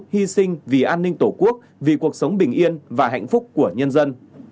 hy sinh vì an ninh tổ quốc vì cuộc sống bình yên và hạnh phúc của nhân dân